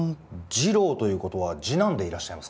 二郎ということは次男でいらっしゃいますか？